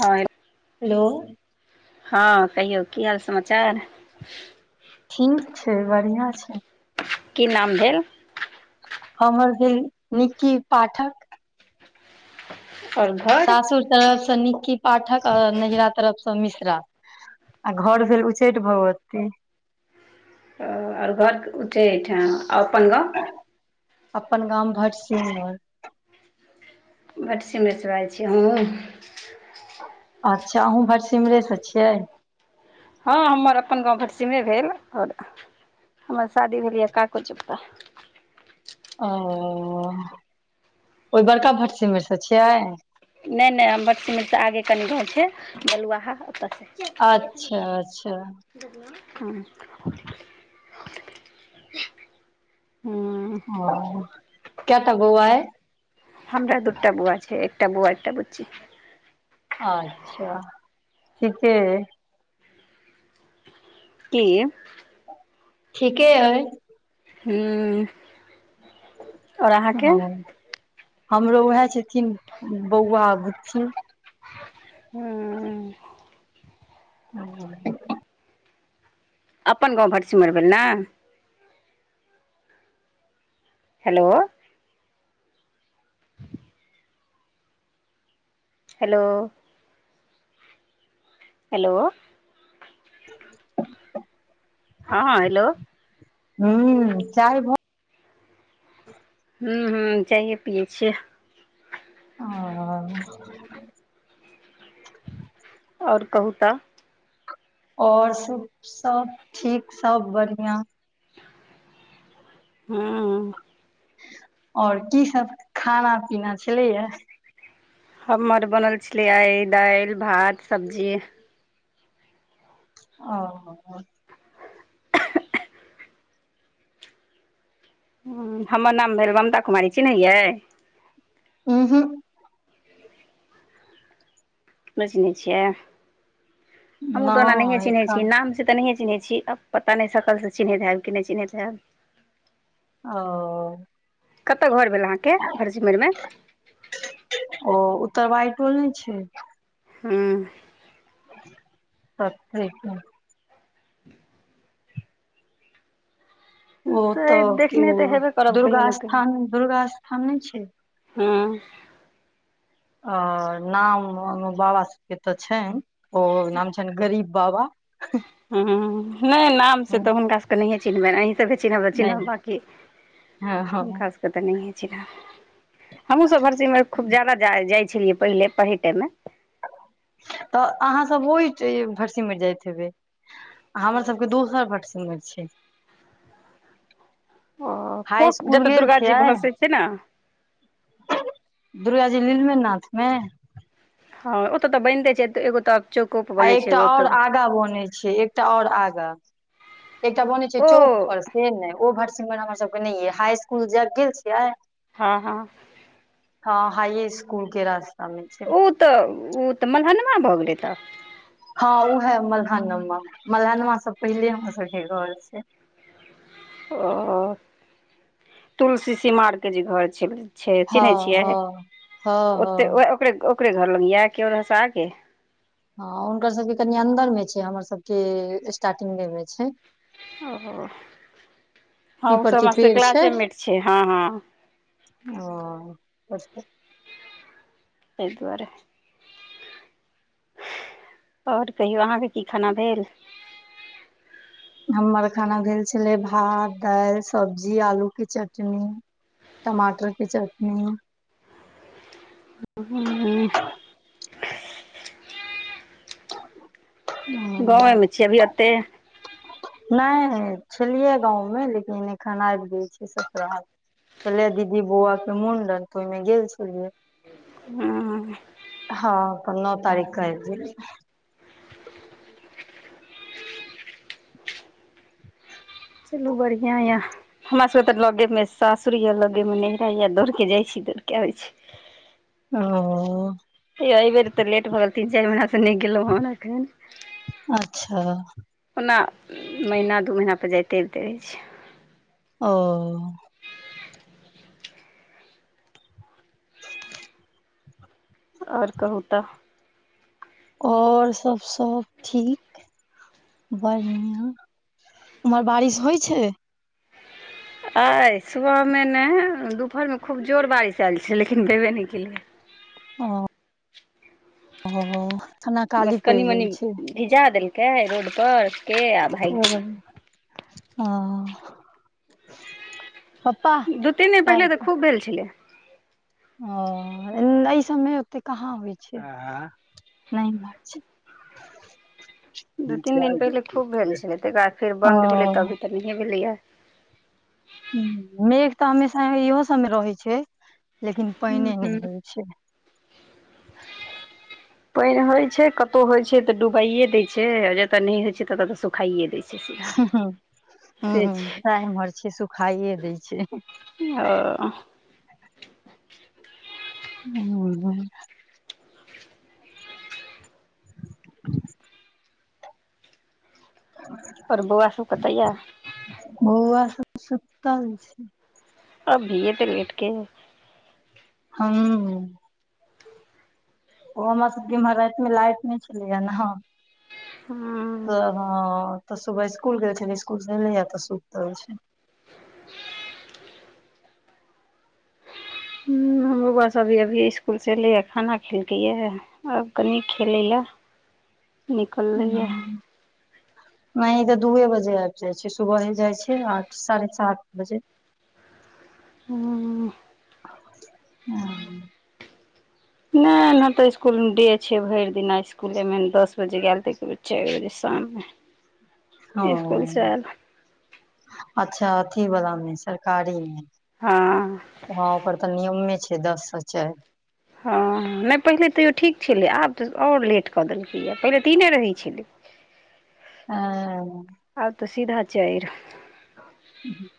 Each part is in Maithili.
हइल हेलो हँ कहियौ की हाल समाचार ठीक छय बढ़िआँ छय की नाम भेल हमर भेल निक्की पाठक आओर घर सासुर तरफ से निक्की पाठक आऔर नैरा तरफ से मिश्रा आ घोर भेल उच्चैठ भगवती आ आर घर उ्चैठाम अपन गाँव अपन गाम भटसिमर भटसीमीर सँ ऐल छी हमहूँ अच्छा अहूँ भटसिमरे से छियै हँ हमर अपन गाँव भटसिमरे भेल आओर हमर शादी भेल यै काको चुपका ओ ओई बड़का भटसिमर सँ छियै नै -नै हम भटसिमर सँ आगे कनि घर छै बलुआहा ओतऽसे अच्छा -अच्छा ह हँ [inaudible] हँ केटे बौआ अइ हमरा दूटा बौआ छै, एकटा बौआ एकटा बुच्ची अच्छा ठीके अइ की ठीके अइ हूँ आओर अहाँके ह हमरो उएह छथिन बौआ बुच्ची हुं ह अपन गाँव भटसिमर भेल ना हेलो [inaudible] हेलो हेलो हँ हँ हेलो हू चाय भ हूँ हूं चाइए पियै छियै। अह और कहू तऽ और सब, सब ठीक सब बढ़ियां। हुं- और की सब खानाऽ पीना छलैयैऽ? हमर बनल छलैयै आय दाइल, भात, सब्जी। ओ- [unintelligible] हं, हमर नाम भेल ममता कुमारी चिन्हैहियै? उहुं। नय चिन्है छियै? हमहुँ तऽ ओना नहिएं नहि चिन्है छीयै, एखन नाम से तऽ नहिए चिन्हैत छी। आब पता नय सकल से चिन्हैत हैब कि नय चिन्हैत हैब? ओ- कत्त घर भेल अहाँके भरसिम्मरमे? ओ उत्तरवाइ टोल नय छै। हुं। [unintelligible] [inaudible] ओ से तऽ देखने क्यो तऽ हेबे करब कहियो दुर्गा ने स्थान- दुर्गा स्थान नय छै? हुं- अ नाम बाबा सभके तऽ छैन, ओ नाम छैन गरीब बाबा। [inaudible] हुं- हुं- हुं -नय नाम से हँ, तऽ हुनका सब के नहियें चिन्हबैन। अहिं सब के चिन्हब त चिनहब नहि बांकी हँ हँ हुनका हमहु सब भटसिम्मैर, खूब जादा जा-जाइ छलियै। पहिले पढ़य टाइमे। तऽ अहाँसभ ओय ट भटसिम्मैर जाइत हेबै। आ हमर सभके दोसर भटसिम्मैर छै। ओ हाइ पोक इसकुल जतऽ गेल दुर्गा जी छियै? भसै छै ने दुर्गा जी नीलमे नथमे? हँ ओतऽ तऽ बैनिते छैऽ, एत् एगो तक आ एकटा और आगा बनै छे एकटा और आगाँ। एकटा बनै छै ओ चौक पर से नय, ओ भटसिमर हमर सब के नर अय। हाई इसकुल जा - गेल छियै? हँ -हँ- हँ, हाइये स्कूल के रास्ता में छै। ओ तऽ ओ तऽ मलहनमा भऽ गेलै तऽ। हँ, ओ है मघनमा। मलहनमा स पहिले हमरा सभके घर छै। ओ, तुलसी सीमार के जे घर छै। छै, हँ चिन्हैत छीयै? हँ हँ ओत्तय हँ यै ओकरे ओकरे घर लग यै कि ओय स आगे? हँ, हुनकर सभके कनि अन्दर में छै, हमर सभके स्टार्टिंगे में छै। ओहो, हं, ओ पीपर सभ के हम्मर सबके पेड़ छै क्लासेमेट छै। हँ हँ। ह-हेत्तय। तय दुआरे। और कहियो अहाँ के की खाना भेल? हमर खाना भेल छलै भात, दाएल, सब्जी, आलू के चटनी। टमाटर के चटनी। हूँ। गाँवेमे छी अभी ओते हां। नै-नै छलियै गाँव मे, लेकिन एखन आएब गेल छियै ससुराल। कले दीदी बौअवा के मुंडन, तऽ ओय मे गेल छलियै। हँ हां अपन नौ तारीक के एथिन। [inaudible] चलु बढ़ियाँ यऽ। हमरा सबके तऽ लगे मे सासुर या लगे मे नैहरा या, दौड़ कऽ जाय छी, दौड़ कऽ आबै छी। ओ। हेया एबेर तऽ लेट भऽ गेल, तीन-चार महिना से नै गेलौहन एखन। अच्छा ओना महीना दू महीना पे जाइते आबते रहै छियै। ओ। और कहु तऽ। और सब सब ठीक बढ़ियाँ, उम्हर बारिश होय छै। अय सुबह मे नै दुपहर मे खूब जोर बारिश आएल छै, लेकिन भेबे नै केलैया। ओ। ओ एखन अकाली बस कनि पैड़ मनि गेल छै। भिजा देलकै रोड पर के आ भागि ओ गेलै हां। पप्पा दू तीन दिन पहिले कॉल तऽ छा। खूब भेल छलैया। ओ नै ए सब मे ओते कहाँ होय छै, नै होय छै। [inaudible] दू-तीन दिन पहिले खूब भेल छलै तै के बाद फेर ओ बन्द भेलै तऽ अभी तऽ नहिये भेलैया। हुं मेघ तऽ हमेशा एहियो सब मे रहै छै, लेकिन पेएने नै हूँ होय छै। पेएन होय छै, कतौ होय छै तऽ डुबाइये दे छै जतऽ नै होय छै तता तऽ सुखाइये देय हुं छै साएह इम्हर छै सुखाइये दै छै। ओ। हां। [inaudible] और बौअवा सब कता या? बौअवा सब सुतल छै। अभी एते लेट के। हां। ओ हमर सबके इम्हर राएत मे लाइट नै छलैया नै, हां। हां। तऽ हां, तऽ सुबह स्कूल गेल छलै, स्कूल से एलैया तऽ सुतल छै। हुं हमरो बौअवा सब अभी-अभी इसकुल से एलैया खाना खेलकैया। आब कनि खेलै लए। निकललैए हां। नै ई तऽ दूए बजे आब जाय छै, सुबहे जाय छै आठ साढ़े सात बजे। हूँ। हँ। नैय नै तऽ इस्कुल मे डे छै भैर दिना इसकुले मे दस बजे गेल तऽ एके बेर चैर बजे शाम मे। [unintelligible] ओ अच्छा अथि वला मे सरकारी मे- हँ। हँ ओकर तऽ नियमे छै दस से चाइर। हँ नै पहिले तैयो ठीक छेलै आब तऽ और लेट कऽ देलकै या पहिले तिने रहै छेल्लै। अँ आब तऽ सीधा छै चाइर। हू [inaudible]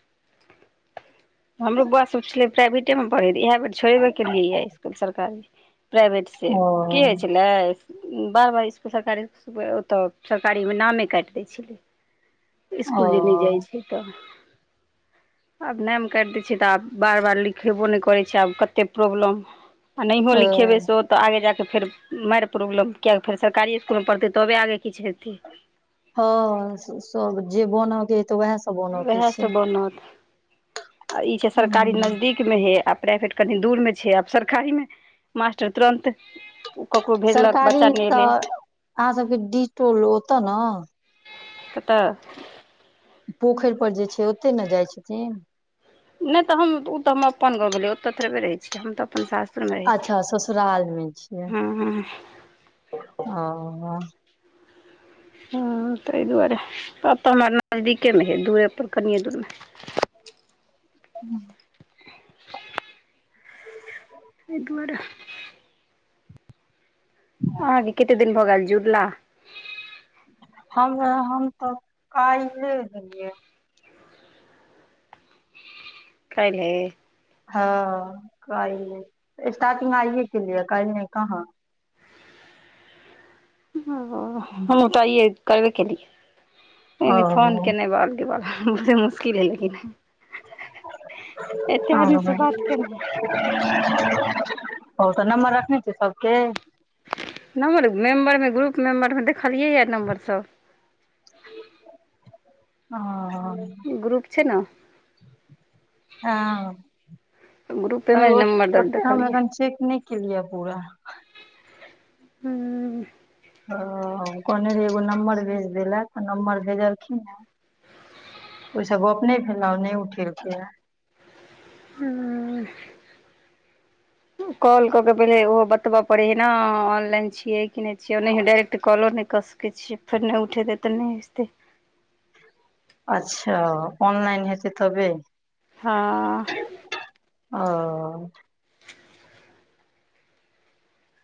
हमरो बौआ सब छेलै प्राइवेटे मे पड़हैत इएहे बेर छोड़ेबे केलियै ये इसकुल सरकारी प्राइवेट से। से ओ की होय छेल्लै। बार बार इसकुल सरकारी ओतऽ सरकारी मे नामे काइट दै छेल्लै। ओ इसकुल जे नै जाय छै तऽ आब नाम। कैट दै छ तऽ आब बार -बार लिखेबो नै करै छै आब कते प्रॉब्लम आ नहिहो ओ लिखेबै सो- तऽ आगे जाकऽ फेर माइर‌ प्रॉब्लम कए फेर सरकारी इसकुलमे पढ़तै तबे आगे किछ हेतै। हँ सब जे बनऽ के अइ तऽ वएह उएहसँ बनत आ ई छै सरकारी हूँ नजदीक मे हेै आ प्राइवेट कनि दूरमे छै आब सरकारी मे- मास्टर तुरन्त ककरो भेजलक बच्चा नै एलेै। आहाँ सबके डिहटोल ओतऽ नऽ? कतऽ? पोखैर पर जे छै ओतेै नऽ जाय छथिन? नै तऽ हम उ तऽ हमर अपन गाँव भेलै ओतऽ थोड़बे रहेै छीयै हम तऽ अपन सास। अच्छा सोसराल मे छियै हँ हँ ओ- हँ तैय दुआरे अतऽ हमरा नजदीके मे हेै दूरेपर कनिए दूरमे। हँ। एय दुआरे। आहाँ के कते दिन भऽ गेल जुरला? हम हम तऽ कैल्हे गेलियै। कैल्हे हँ कैल्हे स्टार्टिंग आइए केलियै कैल नै काहाँ? ओ हमहुँ तऽ आय ये करबे केलियै। न फोन ओ केनै बाल गे बाल बड़ा मुशकिल है लेकिन। एते आदी से बात केनाय। ओ तऽ नम्बर रखने छियै सबके? नम्बर मेंबर मे ग्रुप मेंबर मे देखलियै ये नम्बर सब। हँ। ग्रुप छै नऽ। हँ ग्रुपे अभि मे ओत नम्बर दर ओते हम देखलियै एखन चेक नै। केलियै ये पूरा। हूँ। ओ कहने रहियै एगो नम्बर भेज देै लेए तऽ नम्बर भेजलखिन हेँ। ओय सँ गप्प नै भेल आ नै उठेलकैये। हुम्म। कॉल क क पहिले ओ बतबऽ पड़ै है न? ऑनलाइन छियै केने छियै, ओनाहियो डाइरेक्ट कॉलो नैय कऽ सकै छियै, फेर नैय उठेतै तऽ नैय हेतै। अच्छा ऑनलाइन हेतै तबे? हँ। ओ।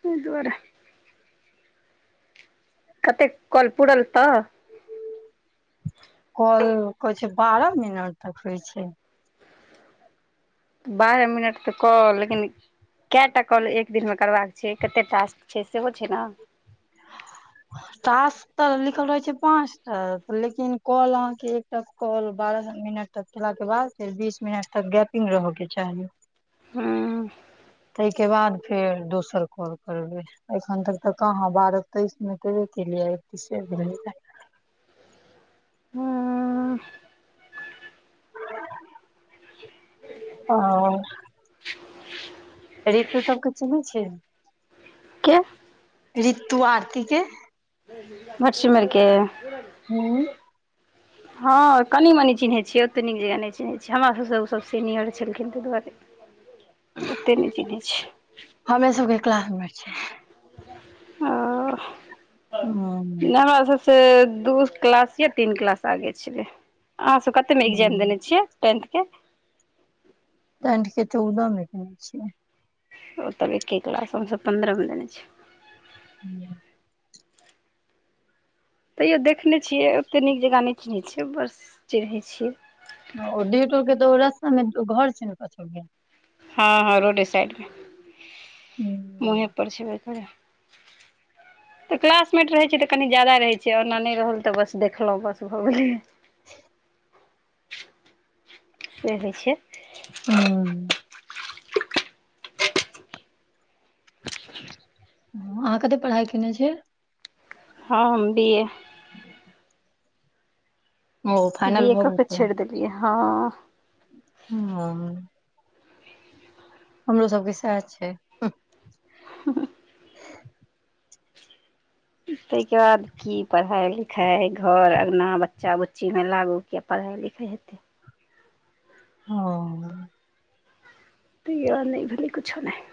तैई दुआरे। कतेक कॉल पुड़ल तऽ? कॉल कहै छै बारऽ मिनट तक होइ छै। बारहे मिनट तऽ कॉल लेकिन कैऽ टा कॉल एक दिन में करबाक छै? कते टास्क छै? सेहो छै ना। [inaudible] टास तऽ लिखल रहै छै पाँच टा, लेकिन कॉल अहाँके एकटा कॉल बारह मिनट त केला के बाद फेर बीस मिनट तक गैपिंग रहऽ के चाही। हूँ तैइ के बाद फेर दोसर कॉल करबै, एखन तक तऽ कहाँ बारऽ तैइस में केबे केलिया एकतीसे भेलै यैऽ। हुम्म। [inaudible] हॅं। [inaudible] रीतू सबके चन्है छै? के? रीतु आरती के? माछीमैर के? हूँ हँ कनि मनि चिन्है छियै, ओतेक नीक जेकाँ नैय चिन्है छियै, हमरा सब स ओसब सीनियर छलखिन तैइ दुआरे। ओते नैय चिन्है छियै। हमे सबके क्लास में छै। ओ, हूँ नैय हमा सब स से दू किलास या तीन किलास आगे छेलै, अहाँ सब कते में इग्जाम हूँ देने छियै? टेंथ के? टेन्ठ के चौदऽ में केने छियै। ओ तब एक्के किलास, हमसब पन्द्रऽ में देने छीयै। ह्म्म। तैयो देखने छियै, ओतेक नीक जेकाँ नैय चिन्है छियै, बस चिन्है छियै। ओ डीह टोऽ के त ओ रस्ता में घर छिये न कछ टोल में। हँ-हँ, रोडे साइड में। हुं। मुँहे पर छेबे करै। तऽ क्लासमेट रहै छै तऽ कनि जादा रहै छै, ओना नैय रहल तऽ बस देखलौं बस भऽ गेलै। [inaudible] से होइ छै। हुम्म। हॅं अहाँ कते परहाई केने छीयै? हँ, हम बी ए। ओ फाइनल बीए भऽ कऽ गेल के छै। छेड़ देलियै, हँ। ह। हमरो सबके सैह छै। [unintelligible] ताहिके बाद की पढ़ाई -लिखाइ, घर- अँगना, बच्चा -बुच्चीमे लागू, कि पढ़ाइ लिखाइ हेतै। हँ। तै दुआरे नहि भेलै, कुछु नहि।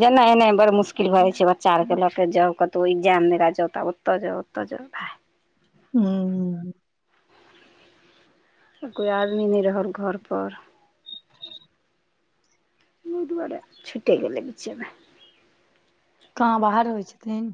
जेना -ऐनाय बड़ मुश्किल भए जाइ छै, बच्चा आरके लऽ क जाउ, कत तो एग्जाम देलै जाऊ, तऽ ओतऽ जा, ओतऽ जऽ। हू। कोइ आदमी नहि रहल घरपर। ओहि दुआरे छुटि गेलै, बीचेमे। कहाँ बाहर रहय छथिन।